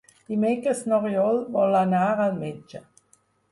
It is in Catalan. Dimecres n'Oriol vol anar al metge.